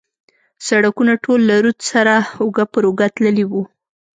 سړکونه ټول له رود سره اوږه پر اوږه تللي و.